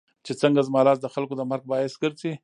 چې څنګه زما لاس دخلکو د مرګ باعث ګرځي